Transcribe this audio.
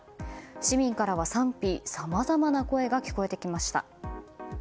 市民からは賛否さまざまな声が聞こえてきました。